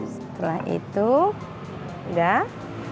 setelah itu udah